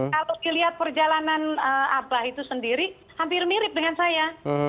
kalau dilihat perjalanan abah itu sendiri hampir mirip dengan saya